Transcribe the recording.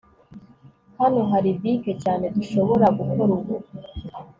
hano hari bike cyane dushobora gukora ubu